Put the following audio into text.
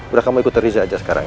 udah kamu ikut riza aja sekarang ya